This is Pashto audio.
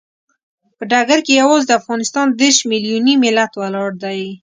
په ډګر کې یوازې د افغانستان دیرش ملیوني ملت ولاړ دی.